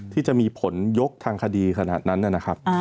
ที่จะมีผลยกทางคดีขนาดนั้นนะครับ